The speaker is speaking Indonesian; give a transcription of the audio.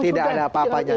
tidak ada apa apanya